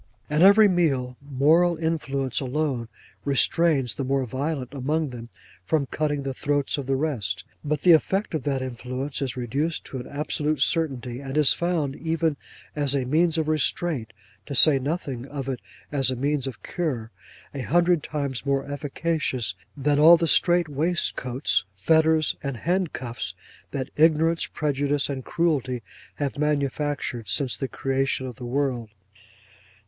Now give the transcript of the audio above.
At every meal, moral influence alone restrains the more violent among them from cutting the throats of the rest; but the effect of that influence is reduced to an absolute certainty, and is found, even as a means of restraint, to say nothing of it as a means of cure, a hundred times more efficacious than all the strait waistcoats, fetters, and handcuffs, that ignorance, prejudice, and cruelty have manufactured since the creation of the world.